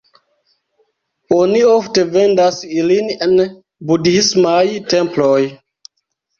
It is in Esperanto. Oni ofte vendas ilin en budhismaj temploj.